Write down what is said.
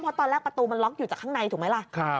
เพราะตอนแรกประตูมันล็อกอยู่จากข้างในถูกไหมล่ะ